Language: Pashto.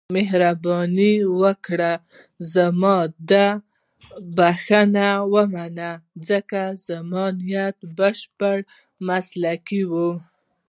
مهرباني وکړئ زما دا بښنه ومنئ، ځکه زما نیت بشپړ مسلکي و.